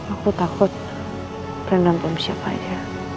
aku takut reina belum siap saja